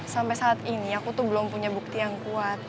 sampai saat ini aku tuh belum punya bukti yang kuat